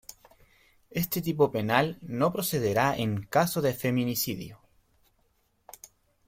Este tipo penal no procederá en caso de feminicidio.